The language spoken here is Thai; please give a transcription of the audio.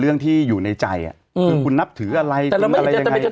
เรื่องที่อยู่ในใจอ่ะอืมคุณนับถืออะไรแต่เราไม่แต่ไม่จะ